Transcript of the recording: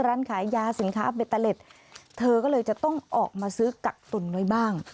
ร้านขายยาสินค้าเบตเตอร์เล็ตเธอก็เลยจะต้องออกมาซื้อกักตุนไว้บ้าง